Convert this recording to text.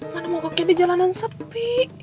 mana mogoknya di jalanan sepi